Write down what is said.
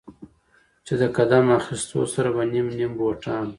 چې د قدم اخيستو سره به نيم نيم بوټان